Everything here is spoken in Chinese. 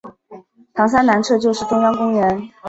糖山南侧就是中央公园。